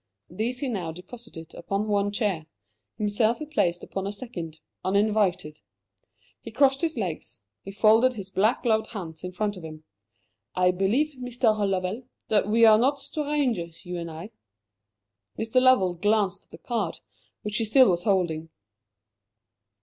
These he now deposited upon one chair; himself he placed upon a second uninvited. He crossed his legs. He folded his black gloved hands in front of him. "I believe, Mr. Lovell, that we are not strangers you and I." Mr. Lovell glanced at the card which he still was holding.